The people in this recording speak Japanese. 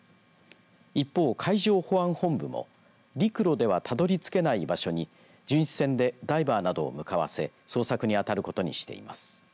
一方、海上保安本部も陸路では、たどりつけない場所に巡視船でダイバーなどを向かわせ捜索に当たることにしています。